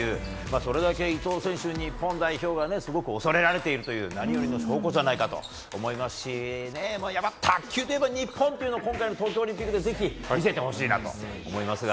それだけ伊藤選手日本代表が恐れられているという何よりの証拠じゃないかと思いますし卓球といえば日本には今回のオリンピックでぜひ見せてほしいと思いますが。